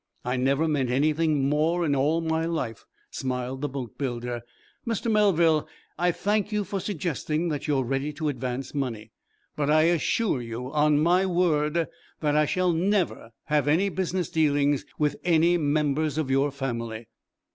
"I never meant anything more in all my life," smiled the boatbuilder. "Mr. Melville, I thank you for suggesting that you are ready to advance money, but I assure you, on my word, that I shall never have any business dealings with any members of your family."